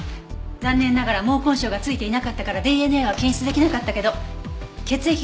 残念ながら毛根鞘が付いていなかったからＤＮＡは検出出来なかったけど血液型はＡ型。